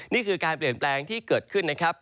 นี่คือการเปลี่ยนแปลงที่เกิดขึ้นนะครับ